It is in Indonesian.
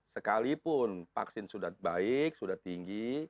sekalipun vaksin sudah baik sudah tinggi